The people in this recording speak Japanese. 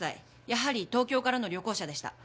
やはり東京からの旅行者でした。